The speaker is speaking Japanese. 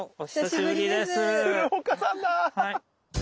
鶴岡さんだ。